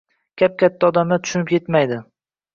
Kap-katta odamlar tushunib yetmaydi